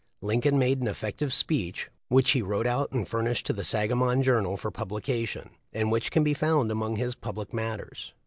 Lincoln made an effec tive speech, which he wrote out and furnished to the Sangamon Journal for publication, and which can be found among his public utterances.